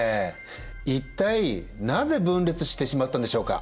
一体なぜ分裂してしまったんでしょうか。